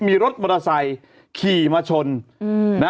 มีรถมอเตอร์ไซค์ขี่มาชน